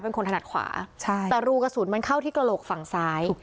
เป็นคนถนัดขวาใช่แต่รูกระสุนมันเข้าที่กระโหลกฝั่งซ้าย